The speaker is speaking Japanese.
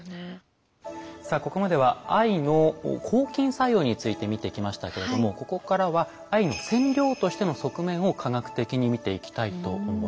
さあここまでは藍の抗菌作用について見てきましたけれどもここからは藍の染料としての側面を科学的に見ていきたいと思います。